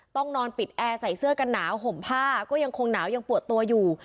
นอนปิดแอร์ใส่เสื้อกันหนาวห่มผ้าก็ยังคงหนาวยังปวดตัวอยู่